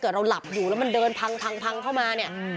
เราหลับอยู่แล้วมันเดินพังเข้ามาเนี่ย